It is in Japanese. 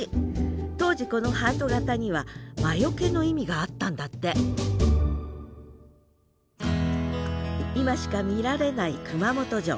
当時このハート形には魔よけの意味があったんだって今しか見られない熊本城。